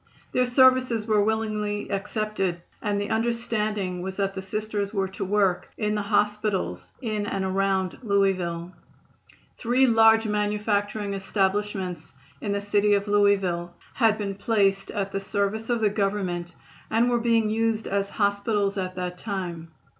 Their services were willingly accepted, and the understanding was that the Sisters were to work in the hospitals in and around Louisville. Three large manufacturing establishments in the city of Louisville had been placed at the service of the Government and were being used as hospitals at that time.